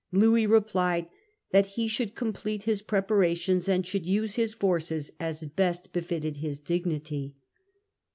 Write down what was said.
Louis replied that he should complete his preparations and should use his forces as best befitted his dignity.